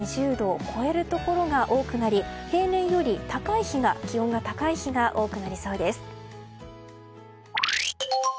木曜日から金曜日は２０度を超えるところが多くなり、平年より気温が高い日が多くなりそうです。